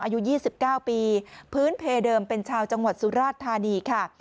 อายุ๒๙ปีพื้นเพเดิมเป็นชาวจังหวัดสุราชธานีค่ะ